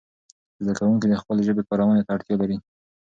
زده کوونکي د خپلې ژبې کارونې ته اړتیا لري.